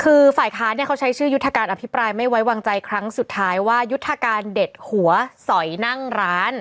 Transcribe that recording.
คือฝ่ายค้านเนี่ยเขาใช้ชื่อยุทธการอภิปรายไม่ไว้วางใจครั้งสุดท้ายว่ายุทธการเด็ดหัวสอยนั่งร้าน